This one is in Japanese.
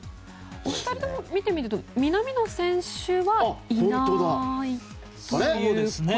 お二人とも、見てみると南野選手はいないんですね。